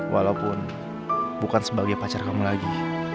walaupun bukan sebagai pacar kamu lagi